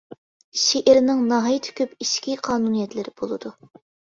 شېئىرنىڭ ناھايىتى كۆپ ئىچكى قانۇنىيەتلىرى بولىدۇ.